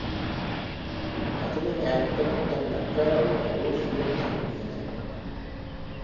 Атын иҥэһэттэн үктэммэккэ эрэ ойоҕолуу сүүрэн иһэн миинэр буолара